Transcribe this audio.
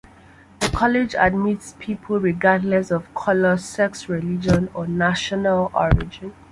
The College admits people regardless of color, sex, religion, or national origin.